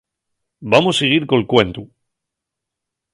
Vamos siguir col cuentu.